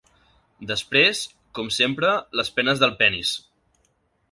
Desprès, com sempre, les penes del penis.